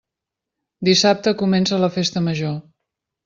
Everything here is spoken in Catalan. Dissabte comença la Festa Major.